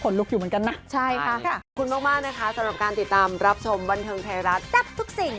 ประโยชน์ค่าไม่ได้